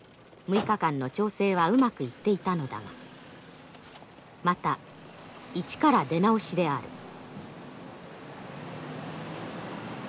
６日間の調整はうまくいっていたのだがまた一から出直しである。